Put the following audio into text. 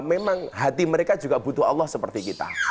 memang hati mereka juga butuh allah seperti kita